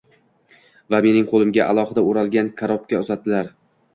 Va mening qoʻlimga alohida oʻralgan karobka uzatdilar.